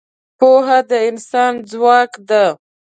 پوهه د انسان ځواک ده.